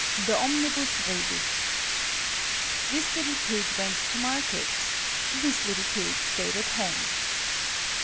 DE OMNIBUS REBUS. "This little pig went to market: This little pig staid at home."